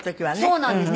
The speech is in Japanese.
そうなんです。